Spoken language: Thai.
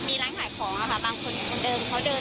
บางคนคือเท่านั้น